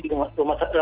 di rumah sakit